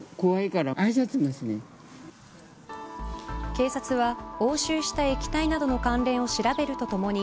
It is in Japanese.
警察は押収した液体などの関連を調べるとともに